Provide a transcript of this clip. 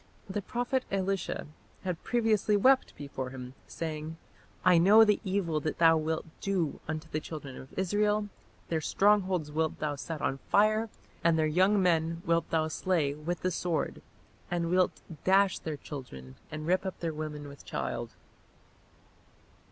The prophet Elisha had previously wept before him, saying, "I know the evil that thou wilt do unto the children of Israel; their strongholds wilt thou set on fire, and their young men wilt thou slay with the sword, and wilt dash their children and rip up their women with child".